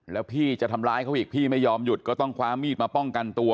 แล้วพี่จะทำร้ายเขาอีกพี่ไม่ยอมหยุดก็ต้องคว้ามีดมาป้องกันตัว